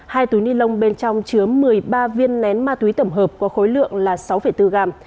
hai túi ni lông bên trong chứa một mươi ba viên nén ma túy tổng hợp có khối lượng là sáu bốn gram